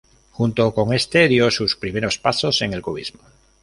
Junto con este dio sus primeros pasos en el cubismo.